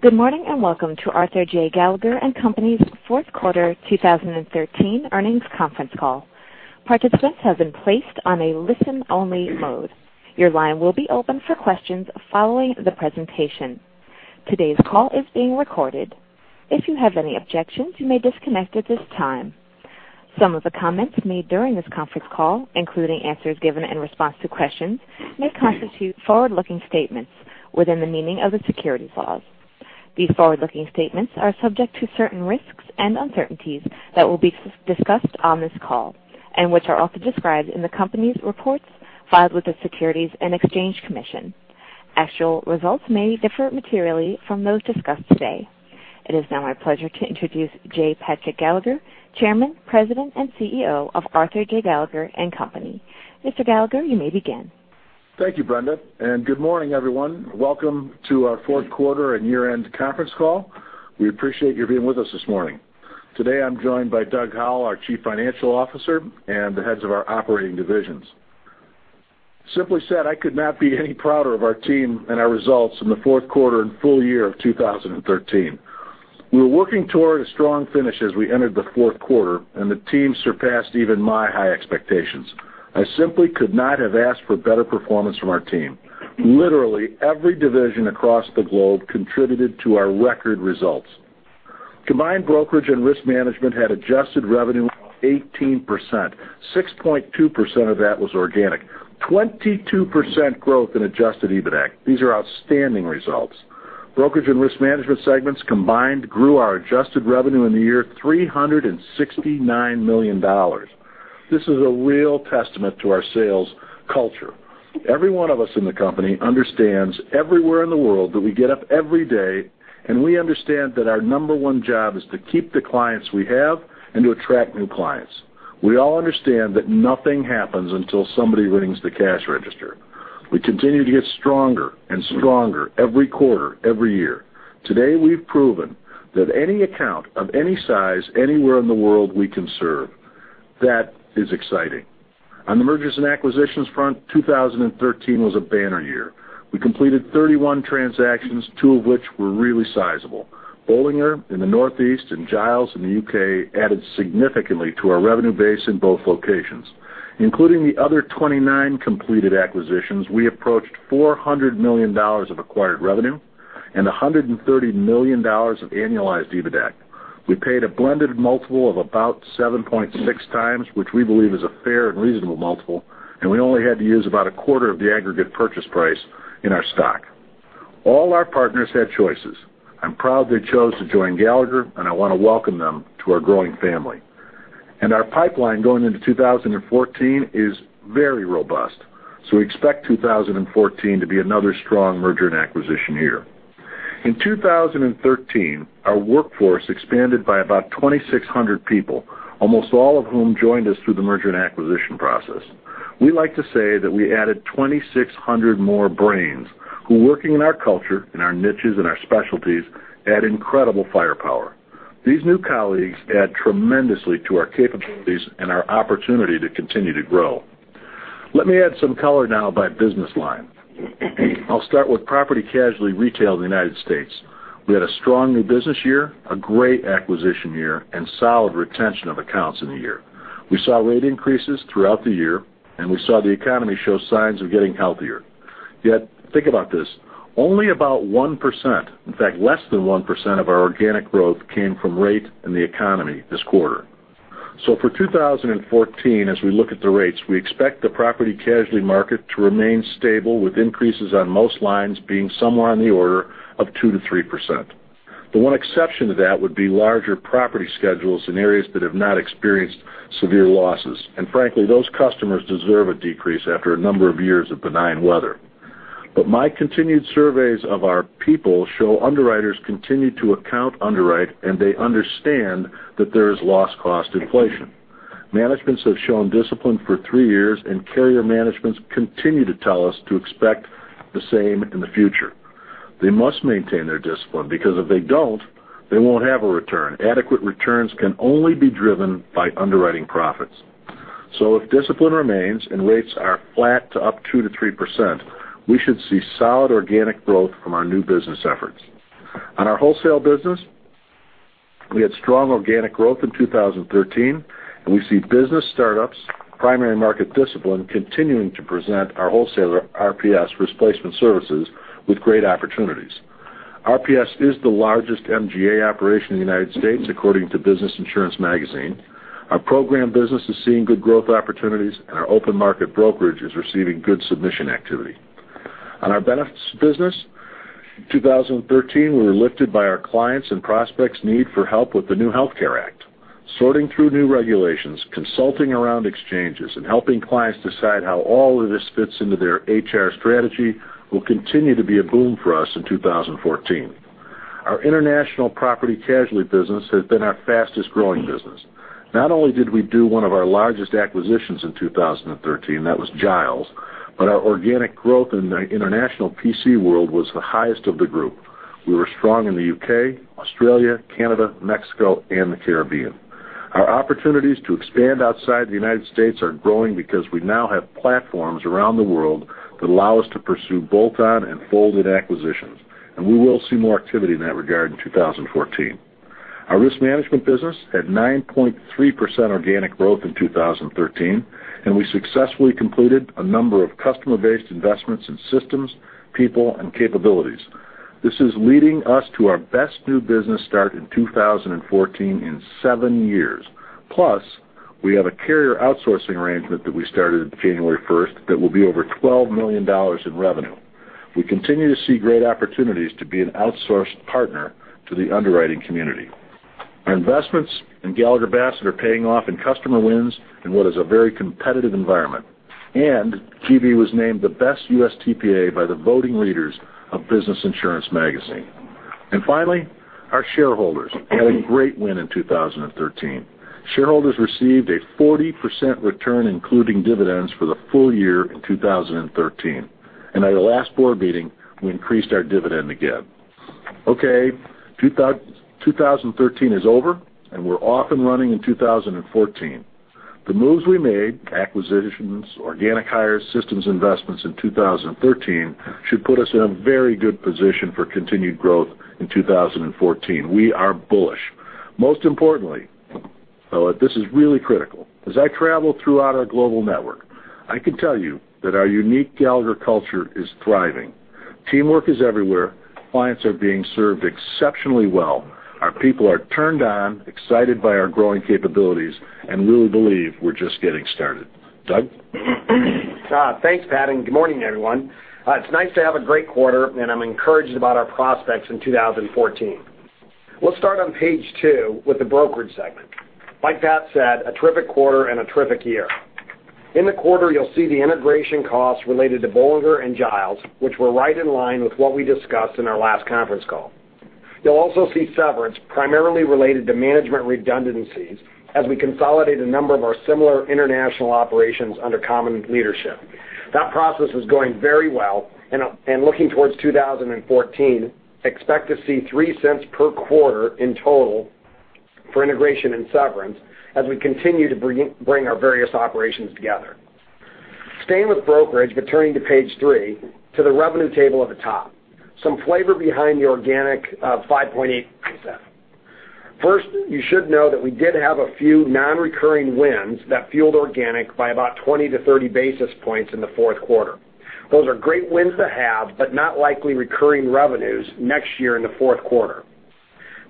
Good morning, welcome to Arthur J. Gallagher & Co.'s fourth quarter 2013 earnings conference call. Participants have been placed on a listen-only mode. Your line will be open for questions following the presentation. Today's call is being recorded. If you have any objections, you may disconnect at this time. Some of the comments made during this conference call, including answers given in response to questions, may constitute forward-looking statements within the meaning of the securities laws. These forward-looking statements are subject to certain risks and uncertainties that will be discussed on this call and which are also described in the Company's reports filed with the Securities and Exchange Commission. Actual results may differ materially from those discussed today. It is now my pleasure to introduce J. Patrick Gallagher, Chairman, President, and CEO of Arthur J. Gallagher & Co. Mr. Gallagher, you may begin. Thank you, Brenda, good morning, everyone. Welcome to our fourth quarter and year-end conference call. We appreciate you being with us this morning. Today, I'm joined by Doug Howell, our Chief Financial Officer, and the heads of our operating divisions. Simply said, I could not be any prouder of our team and our results in the fourth quarter and full year of 2013. We were working toward a strong finish as we entered the fourth quarter, the team surpassed even my high expectations. I simply could not have asked for better performance from our team. Literally, every division across the globe contributed to our record results. Combined brokerage and risk management had adjusted revenue of 18%, 6.2% of that was organic. 22% growth in adjusted EBITAC. These are outstanding results. Brokerage and risk management segments combined grew our adjusted revenue in the year $369 million. This is a real testament to our sales culture. Every one of us in the company understands everywhere in the world that we get up every day, we understand that our number one job is to keep the clients we have and to attract new clients. We all understand that nothing happens until somebody rings the cash register. We continue to get stronger and stronger every quarter, every year. Today, we've proven that any account of any size, anywhere in the world, we can serve. That is exciting. On the mergers and acquisitions front, 2013 was a banner year. We completed 31 transactions, two of which were really sizable. Bollinger in the Northeast and Giles in the U.K. added significantly to our revenue base in both locations. Including the other 29 completed acquisitions, we approached $400 million of acquired revenue and $130 million of annualized EBITAC. We paid a blended multiple of about 7.6 times, which we believe is a fair and reasonable multiple, we only had to use about a quarter of the aggregate purchase price in our stock. All our partners had choices. I'm proud they chose to join Gallagher, I want to welcome them to our growing family. Our pipeline going into 2014 is very robust. We expect 2014 to be another strong merger and acquisition year. In 2013, our workforce expanded by about 2,600 people, almost all of whom joined us through the merger and acquisition process. We like to say that we added 2,600 more brains, who working in our culture, in our niches, and our specialties, add incredible firepower. These new colleagues add tremendously to our capabilities and our opportunity to continue to grow. Let me add some color now by business line. I'll start with property casualty retail in the United States. We had a strong new business year, a great acquisition year, and solid retention of accounts in the year. We saw rate increases throughout the year, and we saw the economy show signs of getting healthier. Think about this, only about 1%, in fact, less than 1% of our organic growth came from rate and the economy this quarter. For 2014, as we look at the rates, we expect the property casualty market to remain stable, with increases on most lines being somewhere on the order of 2% to 3%. The one exception to that would be larger property schedules in areas that have not experienced severe losses, and frankly, those customers deserve a decrease after a number of years of benign weather. My continued surveys of our people show underwriters continue to account underwrite, and they understand that there is loss cost inflation. Managements have shown discipline for three years, and carrier managements continue to tell us to expect the same in the future. They must maintain their discipline, because if they don't, they won't have a return. Adequate returns can only be driven by underwriting profits. If discipline remains and rates are flat to up 2% to 3%, we should see solid organic growth from our new business efforts. On our wholesale business, we had strong organic growth in 2013, and we see business startups, primary market discipline continuing to present our wholesaler RPS, Risk Placement Services, with great opportunities. RPS is the largest MGA operation in the United States, according to Business Insurance magazine. Our program business is seeing good growth opportunities, and our open market brokerage is receiving good submission activity. On our benefits business, 2013, we were lifted by our clients' and prospects' need for help with the new Health Care Act. Sorting through new regulations, consulting around exchanges, and helping clients decide how all of this fits into their HR strategy will continue to be a boom for us in 2014. Our international property casualty business has been our fastest growing business. Not only did we do one of our largest acquisitions in 2013, that was Giles, but our organic growth in the international PC world was the highest of the group. We were strong in the U.K., Australia, Canada, Mexico, and the Caribbean. Our opportunities to expand outside the United States are growing because we now have platforms around the world that allow us to pursue bolt-on and folded acquisitions, and we will see more activity in that regard in 2014. Our risk management business had 9.3% organic growth in 2013, and we successfully concluded a number of customer-based investments in systems, people, and capabilities. This is leading us to our best new business start in 2014 in seven years. Plus, we have a carrier outsourcing arrangement that we started January 1st that will be over $12 million in revenue. We continue to see great opportunities to be an outsourced partner to the underwriting community. Our investments in Gallagher Bassett are paying off in customer wins in what is a very competitive environment, and GB was named the best U.S. TPA by the voting readers of Business Insurance magazine. Finally, our shareholders had a great win in 2013. Shareholders received a 40% return, including dividends, for the full year in 2013. At our last board meeting, we increased our dividend again. Okay. 2013 is over. We're off and running in 2014. The moves we made, acquisitions, organic hires, systems investments in 2013, should put us in a very good position for continued growth in 2014. We are bullish. Most importantly, this is really critical. As I travel throughout our global network, I can tell you that our unique Gallagher culture is thriving. Teamwork is everywhere. Clients are being served exceptionally well. Our people are turned on, excited by our growing capabilities, and really believe we're just getting started. Doug? Thanks, Pat. Good morning, everyone. It's nice to have a great quarter, and I'm encouraged about our prospects in 2014. We'll start on page two with the brokerage segment. Like Pat said, a terrific quarter and a terrific year. In the quarter, you'll see the integration costs related to Bollinger and Giles, which were right in line with what we discussed in our last conference call. You'll also see severance primarily related to management redundancies as we consolidate a number of our similar international operations under common leadership. That process is going very well. Looking towards 2014, expect to see $0.03 per quarter in total for integration and severance as we continue to bring our various operations together. Staying with brokerage, turning to page three, to the revenue table at the top. Some flavor behind the organic 5.8%. First, you should know that we did have a few non-recurring wins that fueled organic by about 20 to 30 basis points in the fourth quarter. Those are great wins to have. Not likely recurring revenues next year in the fourth quarter.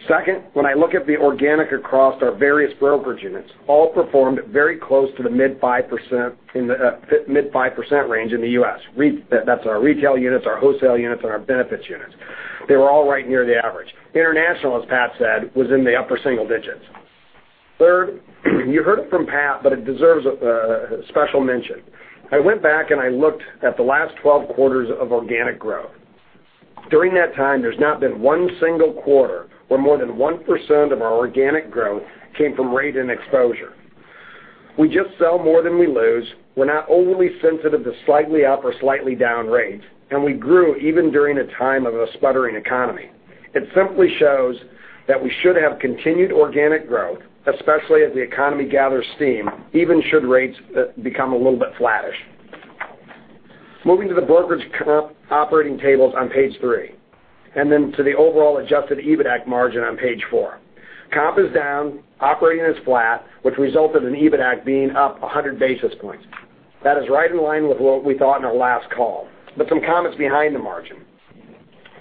Second, when I look at the organic across our various brokerage units, all performed very close to the mid 5% range in the U.S. That's our retail units, our wholesale units, and our benefits units. They were all right near the average. International, as Pat said, was in the upper single digits. Third, you heard it from Pat. It deserves a special mention. I went back and I looked at the last 12 quarters of organic growth. During that time, there's not been one single quarter where more than 1% of our organic growth came from rate and exposure. We just sell more than we lose. We're not overly sensitive to slightly up or slightly down rates. We grew even during a time of a sputtering economy. It simply shows that we should have continued organic growth, especially as the economy gathers steam, even should rates become a little bit flattish. Moving to the brokerage comp operating tables on page three, then to the overall adjusted EBITAC margin on page four. Comp is down, operating is flat, which resulted in EBITAC being up 100 basis points. That is right in line with what we thought in our last call. Some comments behind the margin.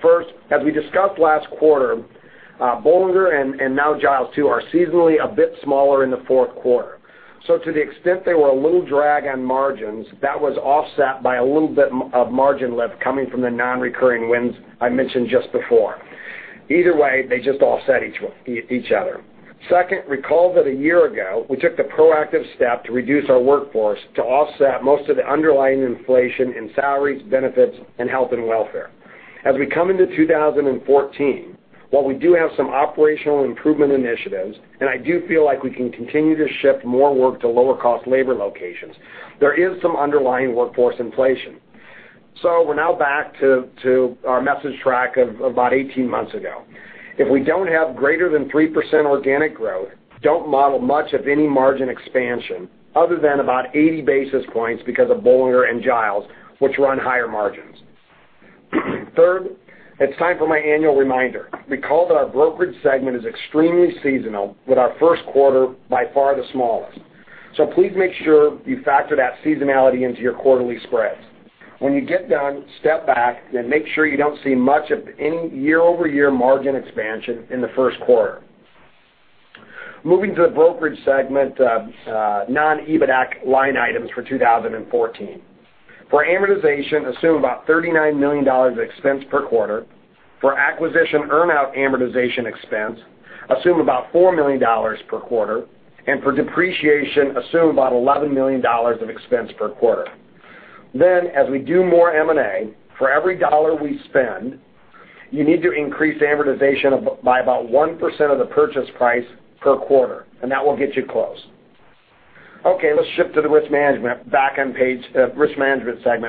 First, as we discussed last quarter, Bollinger and now Giles too, are seasonally a bit smaller in the fourth quarter. To the extent they were a little drag on margins, that was offset by a little bit of margin lift coming from the non-recurring wins I mentioned just before. Either way, they just offset each other. Second, recall that a year ago, we took the proactive step to reduce our workforce to offset most of the underlying inflation in salaries, benefits, and health and welfare. As we come into 2014, while we do have some operational improvement initiatives, and I do feel like we can continue to shift more work to lower cost labor locations, there is some underlying workforce inflation. We're now back to our message track of about 18 months ago. If we don't have greater than 3% organic growth, don't model much of any margin expansion other than about 80 basis points because of Bollinger and Giles, which run higher margins. Third, it's time for my annual reminder. Recall that our brokerage segment is extremely seasonal with our first quarter by far the smallest. Please make sure you factor that seasonality into your quarterly spreads. When you get done, step back and make sure you don't see much of any year-over-year margin expansion in the first quarter. Moving to the brokerage segment non-EBITAC line items for 2014. For amortization, assume about $39 million of expense per quarter. For acquisition earn out amortization expense, assume about $4 million per quarter. For depreciation, assume about $11 million of expense per quarter. As we do more M&A, for every dollar we spend, you need to increase amortization by about 1% of the purchase price per quarter, and that will get you close. Let's shift to the risk management segment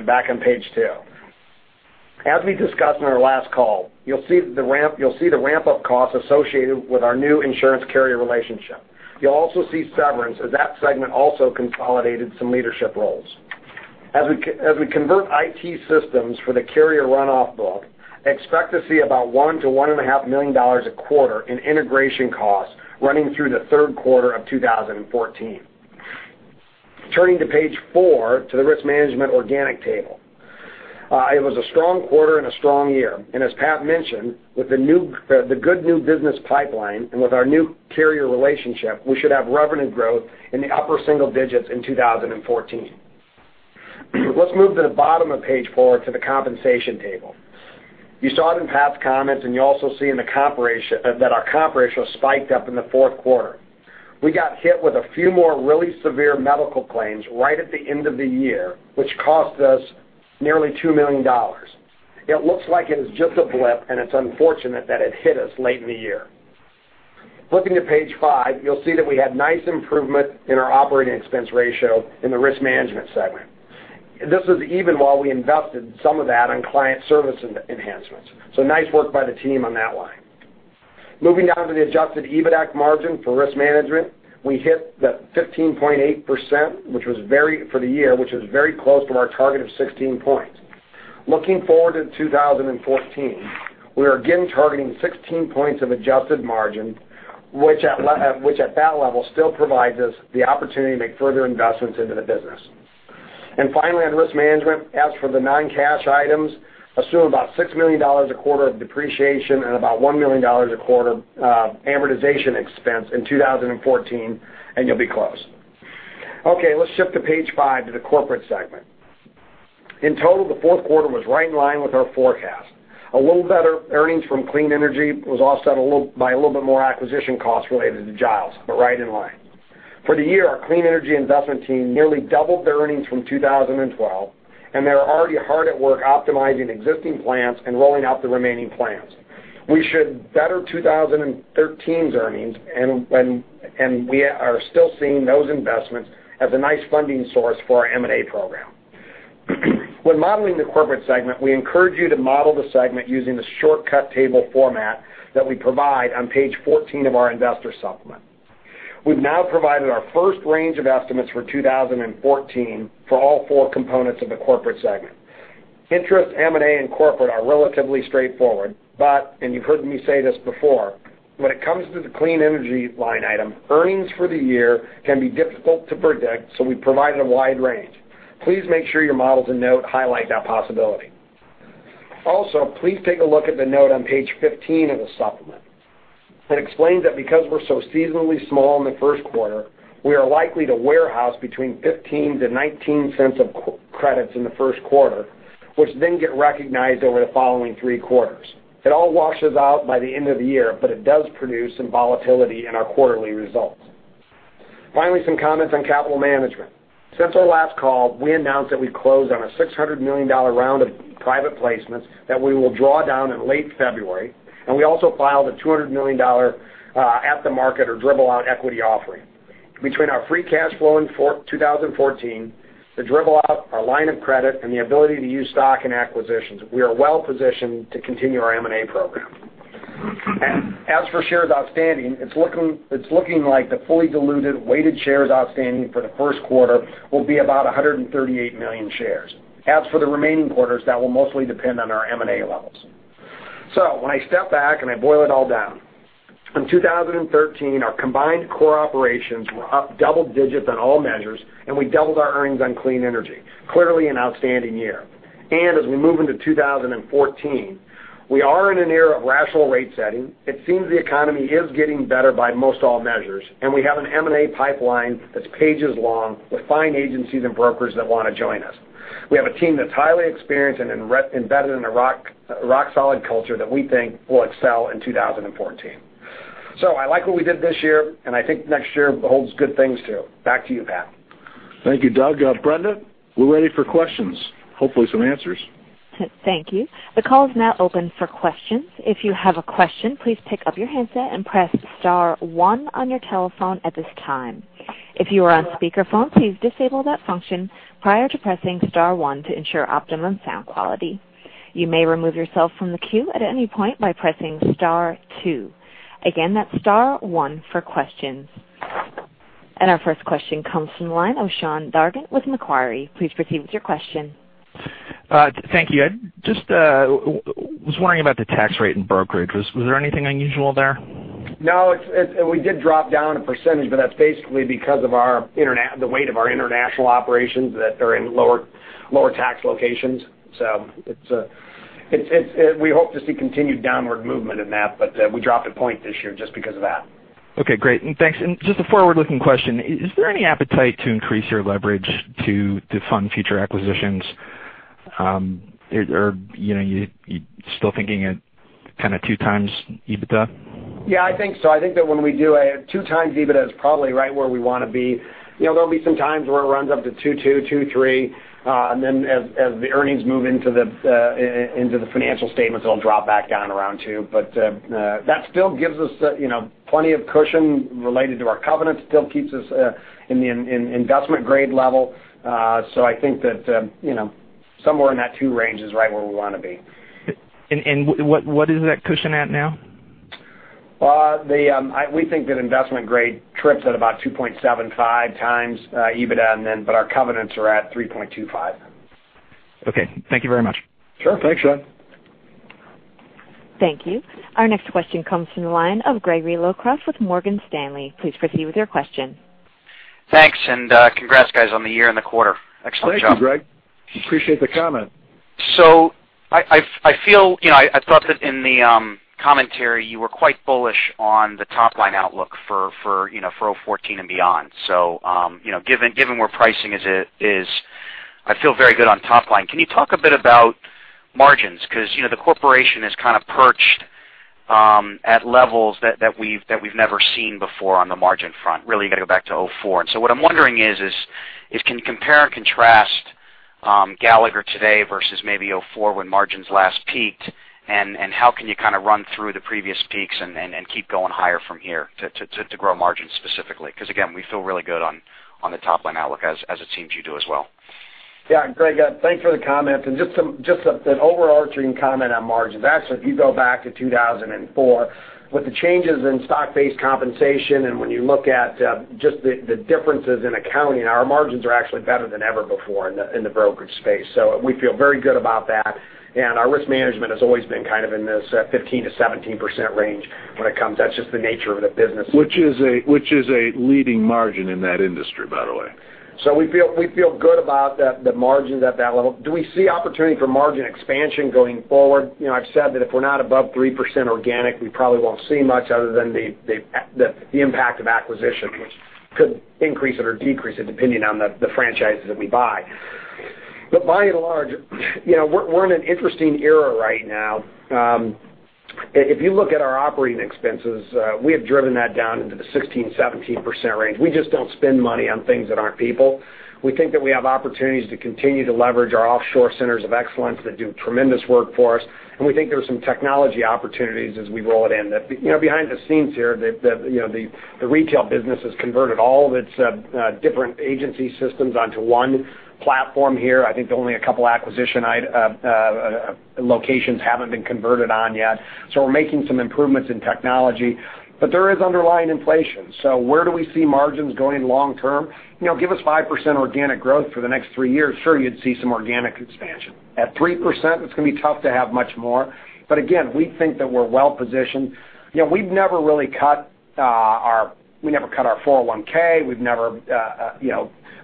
back on page two. As we discussed on our last call, you'll see the ramp-up costs associated with our new insurance carrier relationship. You'll also see severance as that segment also consolidated some leadership roles. As we convert IT systems for the carrier runoff book, expect to see about $1 million to $1.5 million a quarter in integration costs running through the third quarter of 2014. Turning to page four, to the risk management organic table. It was a strong quarter and a strong year, and as Pat mentioned, with the good new business pipeline and with our new carrier relationship, we should have revenue growth in the upper single digits in 2014. Let's move to the bottom of page four, to the compensation table. You saw it in Pat's comments, and you also see that our comp ratio spiked up in the fourth quarter. We got hit with a few more really severe medical claims right at the end of the year, which cost us nearly $2 million. It looks like it is just a blip, and it's unfortunate that it hit us late in the year. Flipping to page five, you'll see that we had nice improvement in our operating expense ratio in the risk management segment. This is even while we invested some of that on client service enhancements. Nice work by the team on that one. Moving down to the adjusted EBITAC margin for risk management, we hit the 15.8% for the year, which was very close to our target of 16 points. Looking forward to 2014, we are again targeting 16 points of adjusted margin, which at that level, still provides us the opportunity to make further investments into the business. Finally, on risk management, as for the non-cash items, assume about $6 million a quarter of depreciation and about $1 million a quarter amortization expense in 2014, you'll be close. Let's shift to page five, to the corporate segment. In total, the fourth quarter was right in line with our forecast. A little better earnings from clean energy was offset by a little bit more acquisition costs related to Giles, but right in line. For the year, our clean energy investment team nearly doubled their earnings from 2012, they are already hard at work optimizing existing plants and rolling out the remaining plants. We should better 2013's earnings, we are still seeing those investments as a nice funding source for our M&A program. When modeling the corporate segment, we encourage you to model the segment using the shortcut table format that we provide on page 14 of our investor supplement. We've now provided our first range of estimates for 2014 for all four components of the corporate segment. Interest, M&A, and corporate are relatively straightforward, you've heard me say this before, when it comes to the clean energy line item, earnings for the year can be difficult to predict, we provided a wide range. Please make sure your models and note highlight that possibility. Please take a look at the note on page 15 of the supplement. It explains that because we're so seasonally small in the first quarter, we are likely to warehouse between $0.15-$0.19 of credits in the first quarter, which then get recognized over the following three quarters. It all washes out by the end of the year, it does produce some volatility in our quarterly results. Some comments on capital management. Since our last call, we announced that we closed on a $600 million round of private placements that we will draw down in late February, we also filed a $200 million at-the-market or dribble out equity offering. Between our free cash flow in 2014, the dribble out, our line of credit, the ability to use stock and acquisitions, we are well-positioned to continue our M&A program. As for shares outstanding, it's looking like the fully diluted weighted shares outstanding for the first quarter will be about 138 million shares. As for the remaining quarters, that will mostly depend on our M&A levels. When I step back and I boil it all down, in 2013, our combined core operations were up double digits on all measures, we doubled our earnings on clean energy. Clearly an outstanding year. As we move into 2014, we are in an era of rational rate setting. It seems the economy is getting better by most all measures, we have an M&A pipeline that's pages long with fine agencies and brokers that want to join us. We have a team that's highly experienced and embedded in a rock-solid culture that we think will excel in 2014. I like what we did this year, I think next year holds good things, too. Back to you, Pat. Thank you, Doug. Brenda, we're ready for questions, hopefully some answers. Thank you. The call is now open for questions. If you have a question, please pick up your handset and press *1 on your telephone at this time. If you are on speakerphone, please disable that function prior to pressing *1 to ensure optimum sound quality. You may remove yourself from the queue at any point by pressing *2. Again, that's *1 for questions. Our first question comes from the line of Sean Dargan with Macquarie. Please proceed with your question. Thank you. Just was wondering about the tax rate in brokerage. Was there anything unusual there? No. We did drop down a percentage, that's basically because of the weight of our international operations that are in lower tax locations. We hope to see continued downward movement in that, we dropped a point this year just because of that. Okay, great. Thanks. Just a forward-looking question. Is there any appetite to increase your leverage to fund future acquisitions? You still thinking at kind of 2 times EBITDA? Yeah, I think so. I think that when we do a 2 times EBITDA is probably right where we want to be. There'll be some times where it runs up to 2.2.3, and then as the earnings move into the financial statements, it'll drop back down around 2. That still gives us plenty of cushion related to our covenants. Still keeps us in the investment grade level. I think that somewhere in that 2 range is right where we want to be. What is that cushion at now? Well, we think that investment grade trips at about 2.75 times EBITDA. Our covenants are at 3.25. Okay. Thank you very much. Sure. Thanks, Sean. Thank you. Our next question comes from the line of Gregory Locraft with Morgan Stanley. Please proceed with your question. Thanks, congrats guys on the year and the quarter. Excellent job. Thank you, Greg. Appreciate the comment. I thought that in the commentary you were quite bullish on the top-line outlook for 2014 and beyond. Given where pricing is, I feel very good on top line. Can you talk a bit about margins? Because the corporation is kind of perched at levels that we've never seen before on the margin front. Really, you got to go back to 2004. What I'm wondering is, can you compare and contrast Gallagher today versus maybe 2004 when margins last peaked, and how can you kind of run through the previous peaks and keep going higher from here to grow margins specifically? Again, we feel really good on the top-line outlook as it seems you do as well. Yeah, Greg, thanks for the comment. Just an overarching comment on margins. Actually, if you go back to 2004 with the changes in stock-based compensation, when you look at just the differences in accounting, our margins are actually better than ever before in the brokerage space. We feel very good about that. Our risk management has always been kind of in this 15%-17% range when it comes. That's just the nature of the business. Which is a leading margin in that industry, by the way. We feel good about the margins at that level. Do we see opportunity for margin expansion going forward? I've said that if we're not above 3% organic, we probably won't see much other than the impact of acquisitions, which could increase it or decrease it depending on the franchises that we buy. By and large, we're in an interesting era right now. If you look at our operating expenses, we have driven that down into the 16%-17% range. We just don't spend money on things that aren't people. We think that we have opportunities to continue to leverage our offshore centers of excellence that do tremendous work for us, and we think there are some technology opportunities as we roll it in. Behind the scenes here, the retail business has converted all of its different agency systems onto one platform here. I think only a couple acquisition locations haven't been converted on yet. We're making some improvements in technology, but there is underlying inflation. Where do we see margins going long term? Give us 5% organic growth for the next three years, sure, you'd see some organic expansion. At 3%, it's going to be tough to have much more, but again, we think that we're well positioned. We've never cut our 401(k). We've never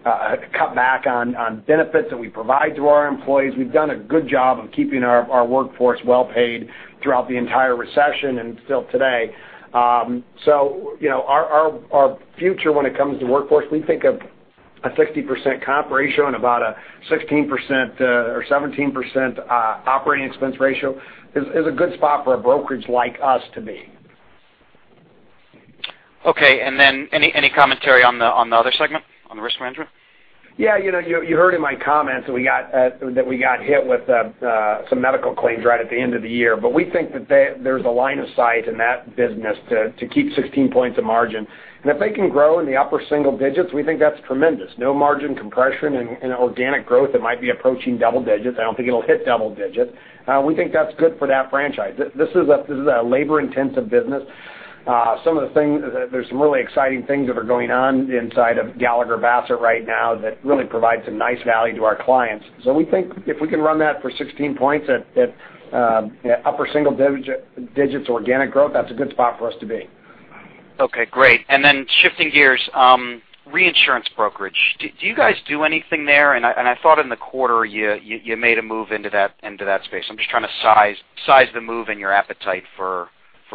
cut back on benefits that we provide to our employees. We've done a good job of keeping our workforce well paid throughout the entire recession and still today. Our future when it comes to workforce, we think of a 60% comp ratio and about a 16% or 17% operating expense ratio is a good spot for a brokerage like us to be. Any commentary on the other segment, on the risk management? You heard in my comments that we got hit with some medical claims right at the end of the year, but we think that there's a line of sight in that business to keep 16 points of margin. If they can grow in the upper single digits, we think that's tremendous. No margin compression and organic growth that might be approaching double digits. I don't think it'll hit double digits. We think that's good for that franchise. This is a labor-intensive business. There's some really exciting things that are going on inside of Gallagher Bassett right now that really provides some nice value to our clients. We think if we can run that for 16 points at upper single digits organic growth, that's a good spot for us to be. Okay, great. Shifting gears, reinsurance brokerage. Do you guys do anything there? I thought in the quarter you made a move into that space. I'm just trying to size the move and your appetite for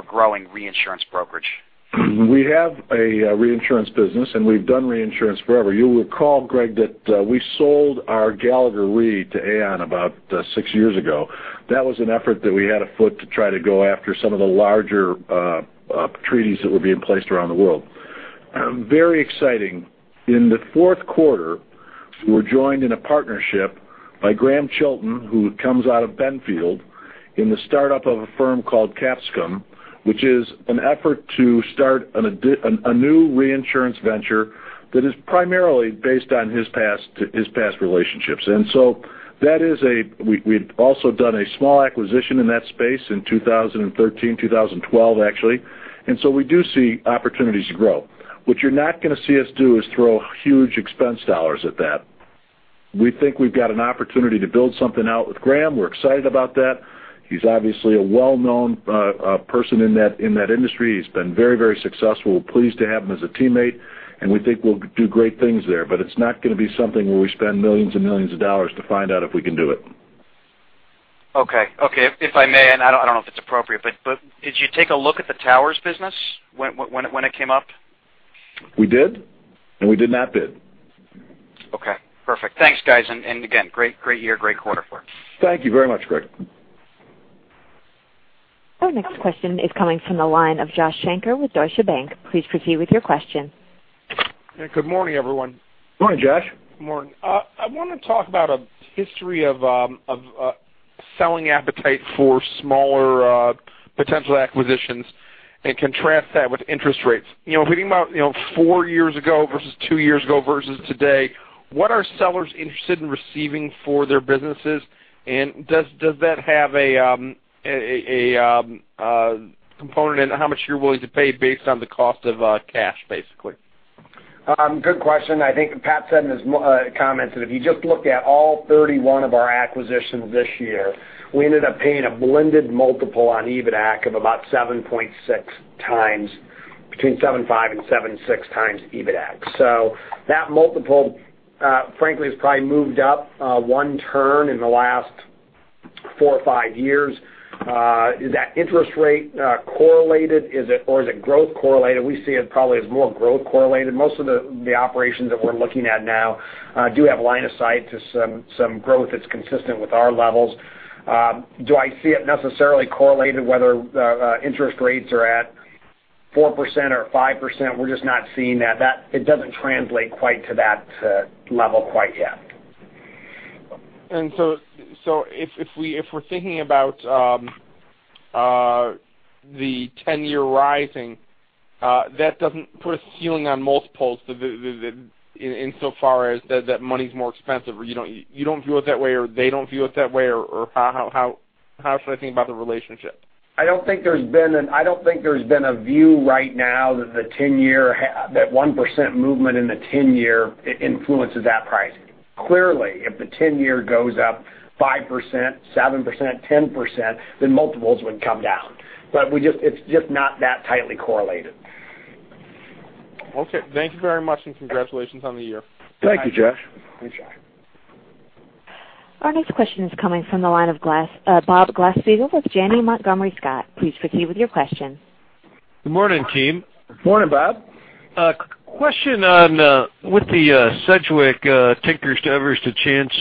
growing reinsurance brokerage. We have a reinsurance business, and we've done reinsurance forever. You will recall, Greg, that we sold our Gallagher Re to Aon about six years ago. That was an effort that we had afoot to try to go after some of the larger treaties that were being placed around the world. Very exciting. In the fourth quarter, we're joined in a partnership by Grahame Chilton, who comes out of Benfield in the startup of a firm called Capsicum, which is an effort to start a new reinsurance venture that is primarily based on his past relationships. We've also done a small acquisition in that space in 2013, 2012 actually. We do see opportunities to grow. What you're not going to see us do is throw huge expense dollars at that. We think we've got an opportunity to build something out with Grahame. We're excited about that. He's obviously a well-known person in that industry. He's been very successful. Pleased to have him as a teammate, and we think we'll do great things there, but it's not going to be something where we spend millions and millions of dollars to find out if we can do it. Okay. If I may, and I don't know if it's appropriate, but did you take a look at the Towers business when it came up? We did, and we did not bid. Okay, perfect. Thanks, guys. Again, great year, great quarter for you. Thank you very much, Greg. Our next question is coming from the line of Joshua Shanker with Deutsche Bank. Please proceed with your question. Good morning, everyone. Good morning, Josh. Good morning. I want to talk about a history of selling appetite for smaller potential acquisitions and contrast that with interest rates. Thinking about four years ago versus two years ago versus today, what are sellers interested in receiving for their businesses, and does that have a component in how much you're willing to pay based on the cost of cash, basically? Good question. I think Pat said in his comments that if you just look at all 31 of our acquisitions this year, we ended up paying a blended multiple on EBITA of about 7.6 times, between 7.5 and 7.6 times EBITA. That multiple, frankly, has probably moved up one turn in the last four or five years. Is that interest rate correlated, or is it growth correlated? We see it probably as more growth correlated. Most of the operations that we're looking at now do have line of sight to some growth that's consistent with our levels. Do I see it necessarily correlated whether interest rates are at 4% or 5%? We're just not seeing that. It doesn't translate quite to that level quite yet. If we're thinking about the 10-year rising, that doesn't put a ceiling on multiples insofar as that money's more expensive, or you don't view it that way, or they don't view it that way, or how should I think about the relationship? I don't think there's been a view right now that 1% movement in the 10-year influences that pricing. Clearly, if the 10-year goes up 5%, 7%, 10%, multiples would come down. It's just not that tightly correlated. Okay. Thank you very much, and congratulations on the year. Thank you, Josh. Thanks, Josh. Our next question is coming from the line of Bob Glasspiegel with Janney Montgomery Scott. Please proceed with your question. Good morning, team. Morning, Bob. Question on with the Sedgwick Tinker to Evers to Chance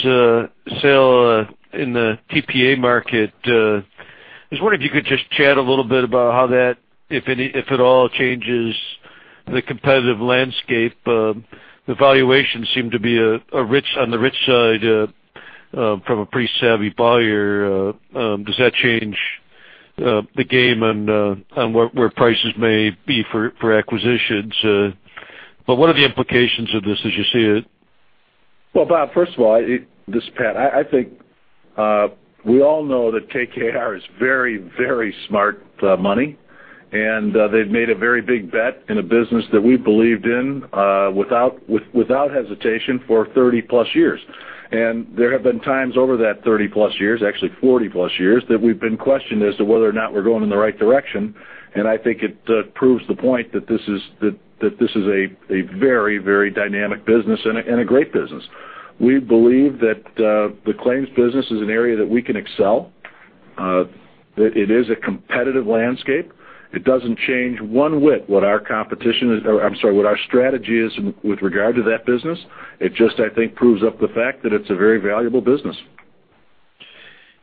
sale in the TPA market. I was wondering if you could just chat a little bit about how that, if at all, changes the competitive landscape. The valuation seemed to be on the rich side from a pretty savvy buyer. What are the implications of this as you see it? Well, Bob, first of all, this is Pat. I think we all know that KKR is very smart money, they've made a very big bet in a business that we believed in without hesitation for 30 plus years. There have been times over that 30 plus years, actually 40 plus years, that we've been questioned as to whether or not we're going in the right direction. I think it proves the point that this is a very dynamic business and a great business. We believe that the claims business is an area that we can excel. It is a competitive landscape. It doesn't change one wit what our strategy is with regard to that business. It just, I think, proves the fact that it's a very valuable business.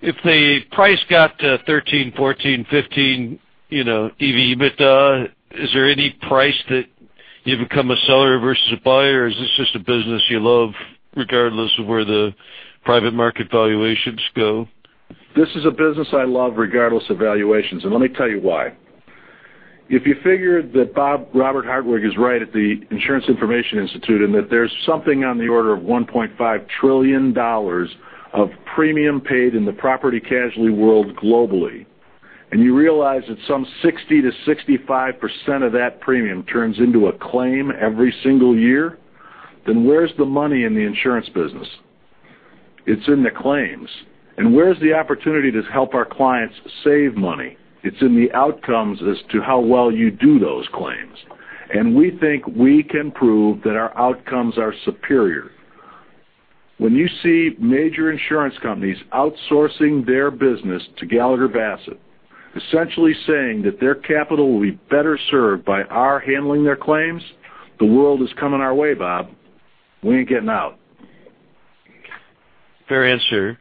If the price got to 13, 14, 15, EV, EBITDA, is there any price that you become a seller versus a buyer? Is this just a business you love regardless of where the private market valuations go? This is a business I love regardless of valuations, let me tell you why. If you figure that Bob Robert Hartwig is right at the Insurance Information Institute, that there's something on the order of $1.5 trillion of premium paid in the property casualty world globally, you realize that some 60%-65% of that premium turns into a claim every single year, where's the money in the insurance business? It's in the claims. Where's the opportunity to help our clients save money? It's in the outcomes as to how well you do those claims. We think we can prove that our outcomes are superior. When you see major insurance companies outsourcing their business to Gallagher Bassett, essentially saying that their capital will be better served by our handling their claims, the world is coming our way, Bob. We ain't getting out. Fair answer.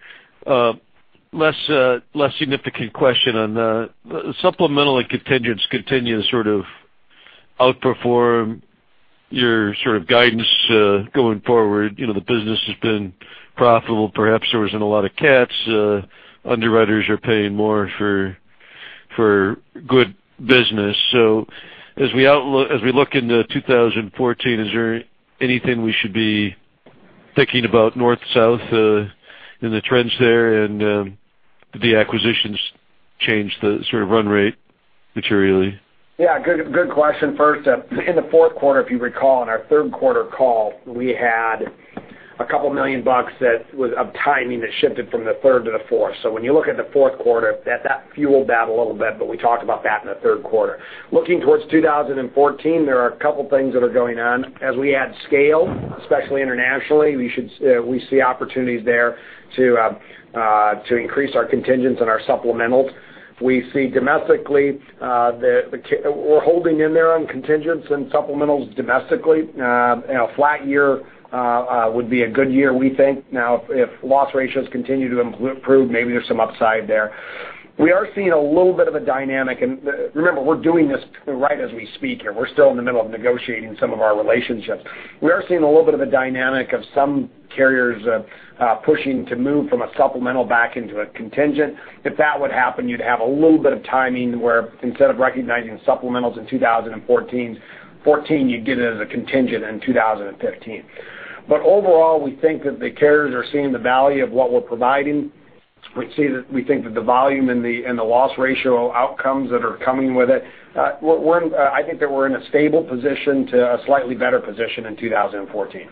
Less significant question on the supplemental and contingents continue to sort of outperform your sort of guidance going forward. The business has been profitable. Perhaps there wasn't a lot of cats. Underwriters are paying more for good business. As we look into 2014, is there anything we should be thinking about north, south in the trends there, and did the acquisitions change the sort of run rate materially? Yeah. Good question. First, in the fourth quarter, if you recall, on our third quarter call, we had a $couple million that was of timing that shifted from the third to the fourth. When you look at the fourth quarter, that fueled that a little bit, but we talked about that in the third quarter. Looking towards 2014, there are a couple things that are going on. As we add scale, especially internationally, we see opportunities there to increase our contingents and our supplementals. We see domestically, we're holding in there on contingents and supplementals domestically. Flat year would be a good year, we think. If loss ratios continue to improve, maybe there's some upside there. We are seeing a little bit of a dynamic, and remember, we're doing this right as we speak here. We're still in the middle of negotiating some of our relationships. We are seeing a little bit of a dynamic of some carriers pushing to move from a supplemental back into a contingent. If that would happen, you'd have a little bit of timing where instead of recognizing supplementals in 2014, you'd get it as a contingent in 2015. Overall, we think that the carriers are seeing the value of what we're providing. We think that the volume and the loss ratio outcomes that are coming with it, I think that we're in a stable position to a slightly better position in 2014.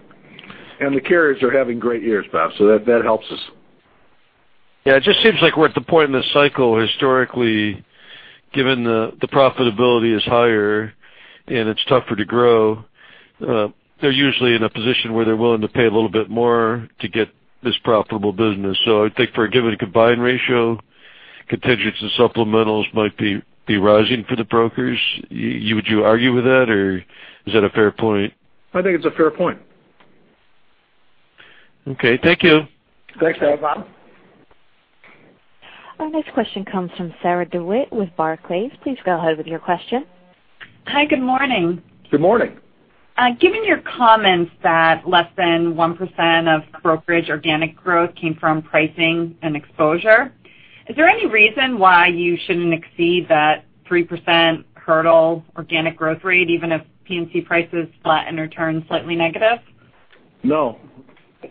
The carriers are having great years, Bob, that helps us. Yeah, it just seems like we're at the point in the cycle historically, given the profitability is higher and it's tougher to grow, they're usually in a position where they're willing to pay a little bit more to get this profitable business. I would think for a given combined ratio, contingents and supplementals might be rising for the brokers. Would you argue with that, or is that a fair point? I think it's a fair point. Okay, thank you. Thanks, Bob. Our next question comes from Sarah DeWitt with Barclays. Please go ahead with your question. Hi, good morning. Good morning. Given your comments that less than 1% of brokerage organic growth came from pricing and exposure, is there any reason why you shouldn't exceed that 3% hurdle organic growth rate, even if P&C prices flatten or turn slightly negative? No.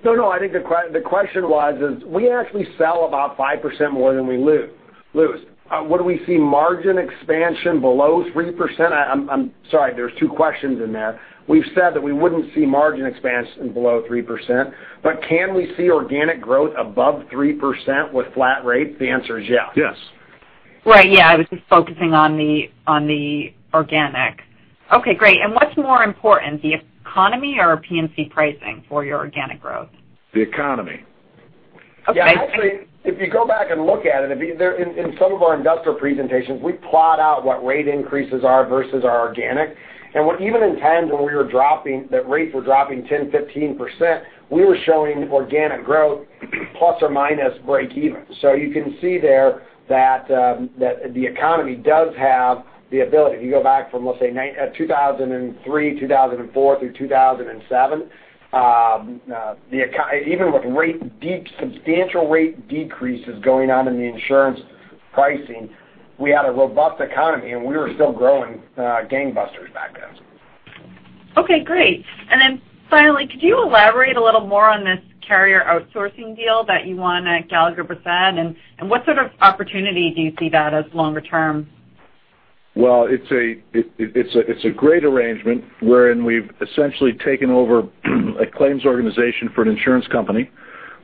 No, I think the question was is we actually sell about 5% more than we lose. Would we see margin expansion below 3%? I'm sorry, there's two questions in there. We've said that we wouldn't see margin expansion below 3%, but can we see organic growth above 3% with flat rate? The answer is yes. Yes. Right. Yeah, I was just focusing on the organic. Okay, great. What's more important, the economy or P&C pricing for your organic growth? The economy. Yeah, actually, if you go back and look at it, in some of our investor presentations, we plot out what rate increases are versus our organic. Even in times when the rates were dropping 10%, 15%, we were showing organic growth plus or minus break even. You can see there that the economy does have the ability. If you go back from, let's say, 2003, 2004 through 2007, even with substantial rate decreases going on in the insurance pricing, we had a robust economy, and we were still growing gangbusters back then. Okay, great. Finally, could you elaborate a little more on this carrier outsourcing deal that you won at Gallagher Bassett, and what sort of opportunity do you see that as longer term? Well, it's a great arrangement wherein we've essentially taken over a claims organization for an insurance company.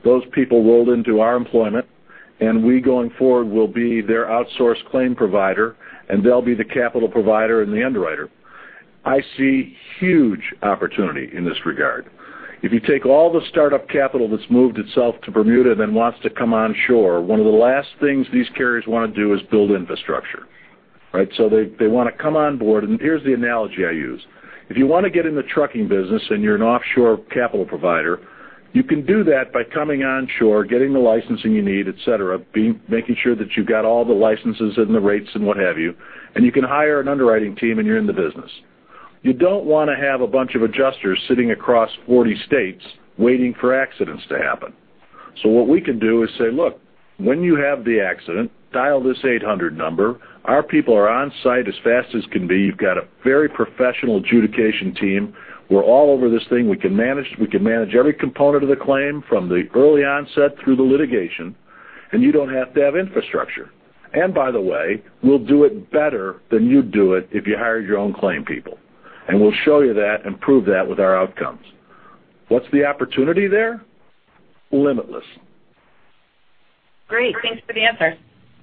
Those people rolled into our employment, we, going forward, will be their outsource claim provider, and they'll be the capital provider and the underwriter. I see huge opportunity in this regard. If you take all the startup capital that's moved itself to Bermuda, wants to come onshore, one of the last things these carriers want to do is build infrastructure. Right? They want to come on board, and here's the analogy I use. If you want to get in the trucking business and you're an offshore capital provider, you can do that by coming onshore, getting the licensing you need, et cetera, making sure that you've got all the licenses and the rates and what have you, and you can hire an underwriting team, and you're in the business. You don't want to have a bunch of adjusters sitting across 40 states waiting for accidents to happen. What we can do is say, "Look, when you have the accident, dial this 800 number. Our people are on-site as fast as can be. You've got a very professional adjudication team. We're all over this thing. We can manage every component of the claim from the early onset through the litigation, and you don't have to have infrastructure. By the way, we'll do it better than you'd do it if you hired your own claim people. We'll show you that and prove that with our outcomes." What's the opportunity there? Limitless. Great. Thanks for the answer.